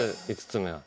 ５つ目は？